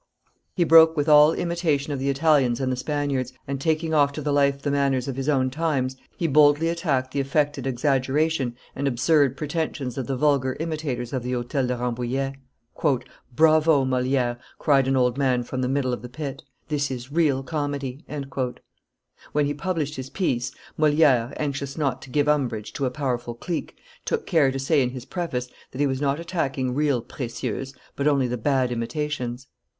He broke with all imitation of the Italians and the Spaniards, and, taking off to the life the manners of his own times, he boldly attacked the affected exaggeration and absurd pretensions of the vulgar imitators of the Hotel de Rambouillet. "Bravo! Moliere," cried an old man from the middle of the pit; "this is real comedy." When he published his piece, Moliere, anxious not to give umbrage to a powerful clique, took care to say in his preface that he was not attacking real precieuses, but only the bad imitations.